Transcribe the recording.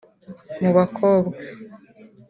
Mu bakobwa